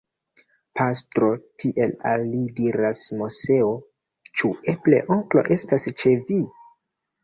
Pastro, tiel al li diras Moseo, ĉu eble onklo estas ĉe vi?